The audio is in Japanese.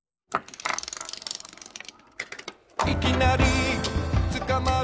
「いきなりつかまる」